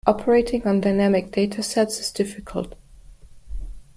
Operating on dynamic data sets is difficult.